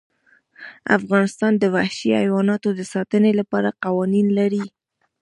افغانستان د وحشي حیوانات د ساتنې لپاره قوانین لري.